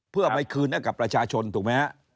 เพื่อคืนให้ละคราชาชนถูกไหมคะ